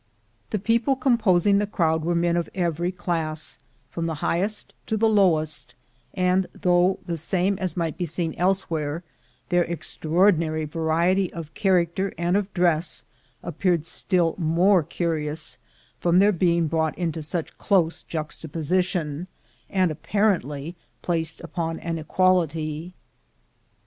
\The people composing the crowd were men of every class, from the highest to the lowest, and, though the same as might be seen elsewhere, their extraordinary variety of character and of dress appeared still more curious from their being brought into such close juxta position, and apparently placed upon an equality.